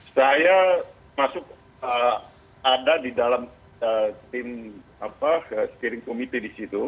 saya masuk ada di dalam tim spiring committee di situ